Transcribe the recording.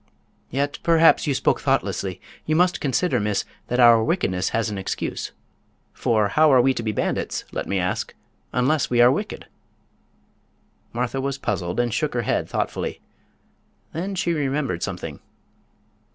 Yet, perhaps you spoke thoughtlessly. You must consider, miss, that our wickedness has an excuse. For how are we to be bandits, let me ask, unless we are wicked?" Martha was puzzled and shook her head, thoughtfully. Then she remembered something.